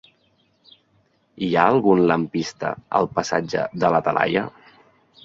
Hi ha algun lampista al passatge de la Talaia?